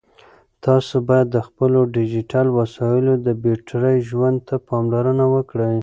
تاسو باید د خپلو ډیجیټل وسایلو د بېټرۍ ژوند ته پاملرنه وکړئ.